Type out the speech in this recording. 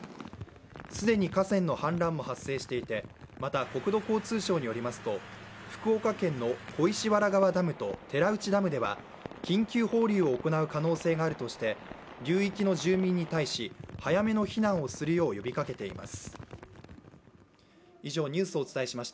既に河川の氾濫も発生していて、また国土交通省によりますと福岡県の小石原川ダムと寺内ダムでは緊急放流を行う可能性があるとして流域の住民に対し早めの避難をするよう呼びかけています。